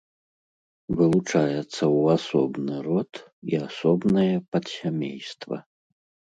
Вылучаецца ў асобны род і асобнае падсямейства.